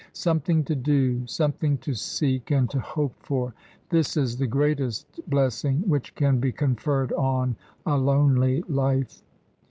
Something to do, something to seek and to hope for this is the greatest blessing which can be conferred on a lonely life.